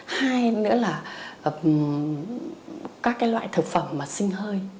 hai nữa là các cái loại thực phẩm mà sinh hơi